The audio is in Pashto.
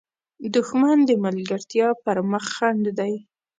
دښمن د ملګرتیا پر مخ خنډ دی